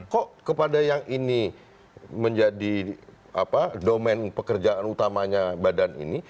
kok kepada yang ini menjadi domen pekerjaan utamanya badan ini